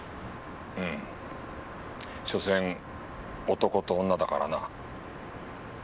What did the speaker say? うんしょせん男と女だからな。